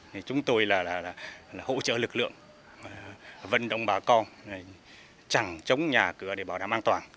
vì là hỗ trợ lực lượng vận động bà con chẳng chống nhà cửa để bảo đảm an toàn